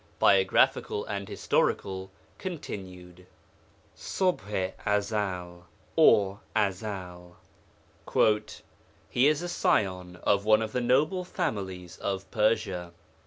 PART III BIOGRAPHICAL AND HISTORICAL (continued) ṢUBḤ I EZEL (OR AZAL) 'He is a scion of one of the noble families of Persia.